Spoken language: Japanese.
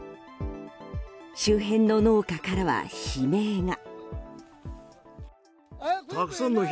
周辺の農家からは悲鳴が。